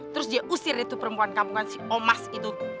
terus dia usir itu perempuan kampungan si omas itu